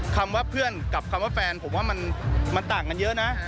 ว่าเพื่อนกับคำว่าแฟนผมว่ามันต่างกันเยอะนะ